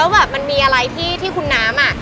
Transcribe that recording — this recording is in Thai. แล้วมันมีอะไรที่คุณน้ำ